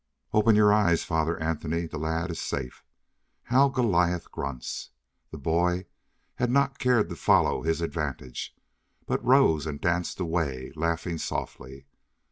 "Open your eyes, Father Anthony. The lad is safe. How Goliath grunts!" The boy had not cared to follow his advantage, but rose and danced away, laughing softly.